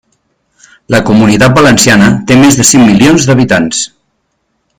La Comunitat Valenciana té més de cinc milions d'habitants.